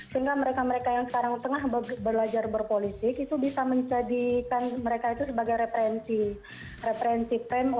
sehingga mereka mereka yang sekarang tengah belajar berpolitik itu bisa menjadikan mereka itu sebagai referensi